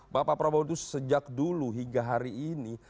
bapak prabowo itu sejak dulu hingga hari ini